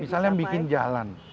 misalnya bikin jalan